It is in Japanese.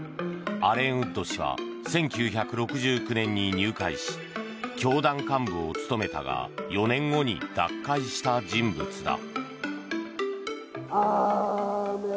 アレン・ウッド氏は１９６９年に入会し教団幹部を務めたが４年後に脱会した人物だ。